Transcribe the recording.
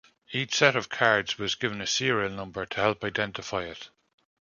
Each set of cards was given a serial number to help identify it.